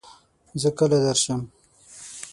زۀ کله درشم ؟